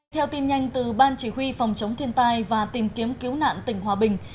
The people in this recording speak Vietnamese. theo tin nhanh từ ban chỉ huy phòng chống thiên tai và tìm kiếm cứu nạn tỉnh hòa bình